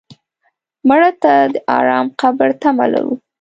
مړه ته د ارام قبر تمه لرو